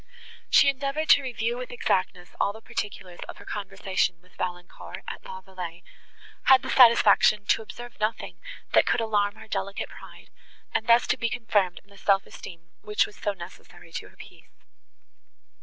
She endeavoured to review with exactness all the particulars of her conversation with Valancourt at La Vallée, had the satisfaction to observe nothing, that could alarm her delicate pride, and thus to be confirmed in the self esteem, which was so necessary to her peace.